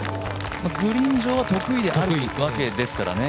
グリーン上は得意なわけですからね。